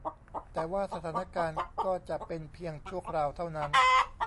แต่ว่าสถานการณ์ก็จะเป็นเพียงชั่วคราวเท่านั้น